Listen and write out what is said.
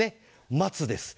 松です。